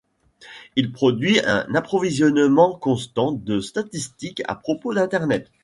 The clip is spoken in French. Il produit un approvisionnement constant de statistiques à propos d'Internet.